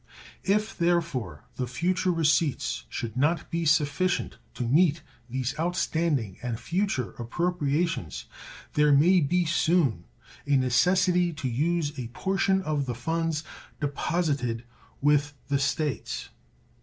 If, therefore, the future receipts should not be sufficient to meet these outstanding and future appropriations, there may be soon a necessity to use a portion of the funds deposited with the States.